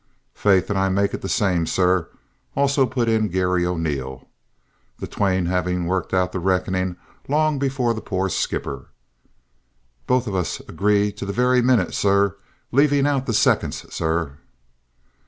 "Faith, an' I make it the same, sir," also put in Garry O'Neil, the twain having worked out the reckoning long before the poor skipper. "Both of us agree to the virry minnit, sure, lavin' out the sicconds, sir!"